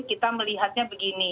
kita melihatnya begini